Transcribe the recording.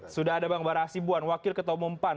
sudah ada bang barah asibuan wakil ketua mumpan